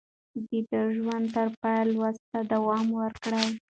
ده د ژوند تر پايه لوست ته دوام ورکړ.